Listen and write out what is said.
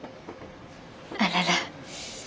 あらら。